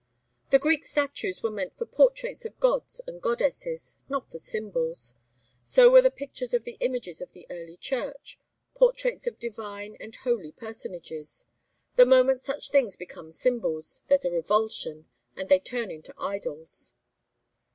The Greek statues were meant for portraits of gods and goddesses, not for symbols. So were the pictures and the images of the early church portraits of divine and holy personages. The moment such things become symbols, there's a revulsion, and they turn into idols."